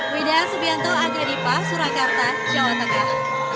widya sibianto agri dipah surakarta jawa tengah